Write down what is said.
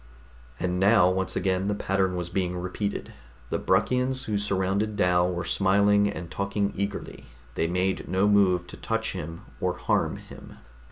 And now once again the pattern was being repeated. The Bruckians who surrounded Dal were smiling and talking eagerly; they made no move to touch him or harm him.